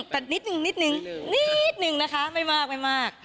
แต่นิดหนึ่งนิดหนึ่งนะคะไม่มาก